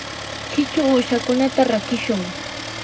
chichu uushakunata rakishun.